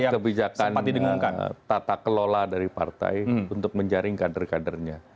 ini menjadi bagian dari kebijakan tata kelola dari partai untuk menjaring kader kadernya